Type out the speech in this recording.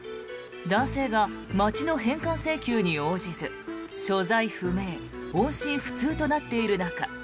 男性が町の返還請求に応じず所在不明音信不通となっている中